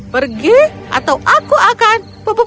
pergi atau aku akan